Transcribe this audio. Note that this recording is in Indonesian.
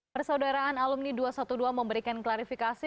persaudaraan alumni dua ratus dua belas memberikan klarifikasi